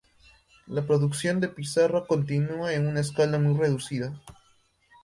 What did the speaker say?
La producción de pizarra continúa en una escala muy reducida.